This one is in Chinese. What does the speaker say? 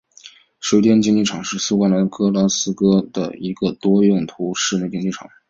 水电竞技场是苏格兰格拉斯哥的一个多用途室内竞技场。